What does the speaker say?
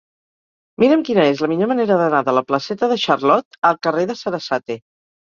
Mira'm quina és la millor manera d'anar de la placeta de Charlot al carrer de Sarasate.